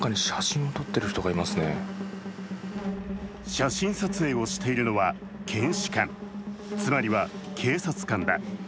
写真撮影をしているのは検視官、つまりは警察官だ。